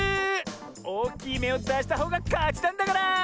おおきいめをだしたほうがかちなんだから。